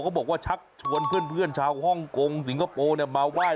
บอกว่าชักชวนเพื่อนชาวฮ่องกงสิงคโปร์มาไหว้